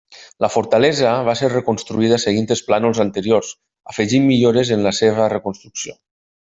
La fortalesa va ser reconstruïda seguint els plànols anteriors, afegint millores en la seva reconstrucció.